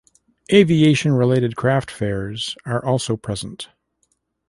Aviation-related craft fairs are also present.